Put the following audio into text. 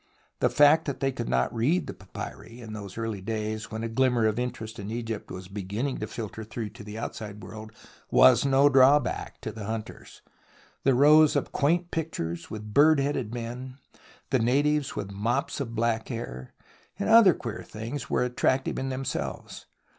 The fact that they could 18 THE ROMANCE OF EXCAVATION not read the papyri, in those early days when a ghmmer of interest in Egypt was beginning to filter through to the outside world, was no draw back to the hunters. The rows of quaint pictures, with bird headed men, the natives with mops of black hair, and other queer things, were attractive in themselves.